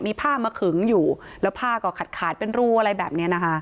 มีผ้ามาขึงอยู่แล้วผ้าก็ขาดขาดเป็นรูอะไรแบบนี้นะคะ